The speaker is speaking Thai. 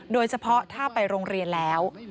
โดยเฉพาะถ้าไปโรงเรียนแล้ว